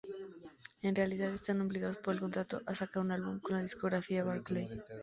En realidad, están obligados por contrato a sacar un álbum con la discográfica Barclay.